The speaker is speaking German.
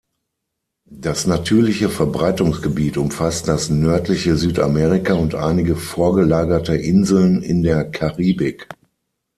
Das natürliche Verbreitungsgebiet umfasst das nördliche Südamerika und einige vorgelagerte Inseln in der Karibik.